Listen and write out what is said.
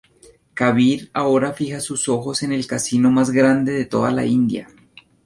Kabir ahora fija sus ojos en el casino más grande en toda la India.